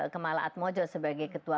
kemala atmojo sebagai ketua